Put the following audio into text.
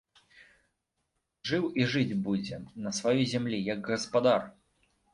Жыў і жыць будзе на сваёй зямлі як гаспадар!